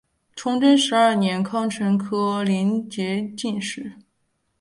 崇祯十二年庚辰科联捷进士。